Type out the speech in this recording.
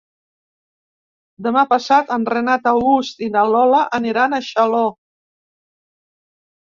Demà passat en Renat August i na Lola aniran a Xaló.